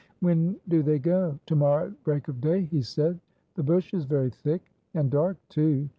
"When do they go?" "To morrow at break of day," he said. "The bush is very thick!" "And dark, too!"